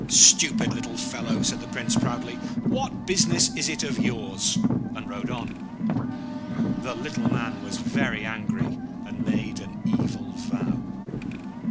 'Stupid little fellow,' said the Prince, proudly; 'what business is it of yours?' and rode on. The little man was very angry, and made an evil vow.